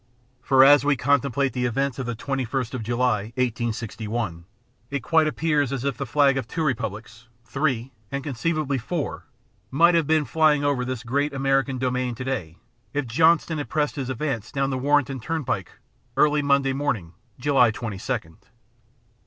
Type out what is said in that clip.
For as we contemplate the events of the 21st of July, 1861, it quite appears as if the flag of two republics three, perhaps, and conceivably four might have been flying over this great American domain to day if Johnston had pressed his advance down the Warrenton turnpike early Monday morning, July 22d.